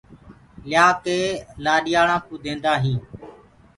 ليآ ڪي لآڏيآݪآنٚ ڪوٚ ديندآ هينٚ۔